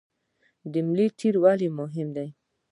د ملا تیر ولې مهم دی؟